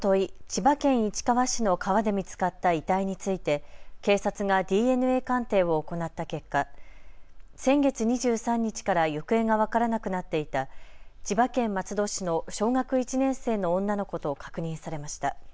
千葉県市川市の川で見つかった遺体について警察がＤＮＡ鑑定を行った結果、先月２３日から行方が分からなくなっていた千葉県松戸市の小学１年生の女の子と確認されました。